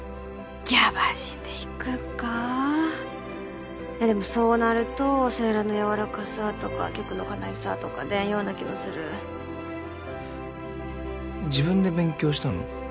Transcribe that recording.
ギャバジンでいくかでもそうなるとセイラのやわらかさとか曲の悲しさとか出んような気もする自分で勉強したの？